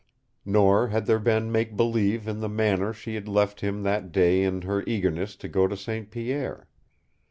Nor had there been make believe in the manner she had left him that day in her eagerness to go to St. Pierre.